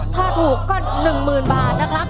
ถ้าถูกก็๑๐๐๐บาทนะครับ